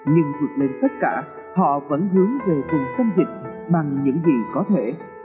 nhưng vượt lên tất cả họ vẫn hướng về vùng canh dịch bằng những gì có thể